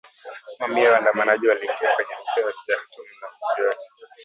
Mamia ya waandamanaji waliingia kwenye mitaa yote ya Khartoum na mji wake